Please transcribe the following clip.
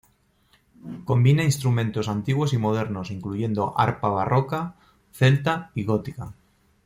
Combina instrumentos antiguos y modernos incluyendo arpa barroca, celta y gótica.